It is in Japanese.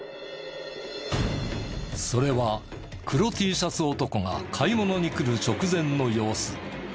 それは黒Ｔシャツ男が買い物に来る直前の様子。